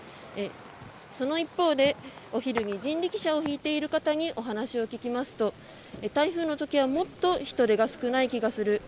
その一方で、お昼に人力車を引いている方にお話を聞きますと台風の時はもっと人出が少ない気がする。